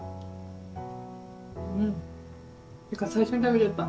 うんってか最初に食べちゃった。